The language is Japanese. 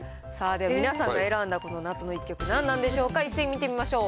では、皆さんの選んだ夏の一曲何なんでしょうか、一斉に見てみましょう。